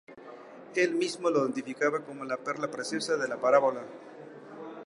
Él mismo lo identificaba como la "perla preciosa" de la parábola.